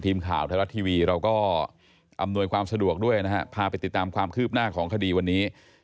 ทีมข่าวไทยรัฐทีวีเราก็อำนวยความสะดวกด้วยนะฮะพาไปติดตามความคืบหน้าของคดีวันนี้